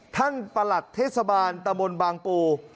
ประหลัดเทศบาลตะมนต์บางปู